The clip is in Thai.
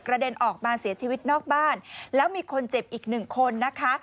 เด็นออกมาเสียชีวิตนอกบ้านแล้วมีคนเจ็บอีกหนึ่งคนนะคะ